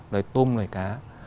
loài tôm loài cá